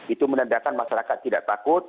itu menandakan masyarakat tidak takut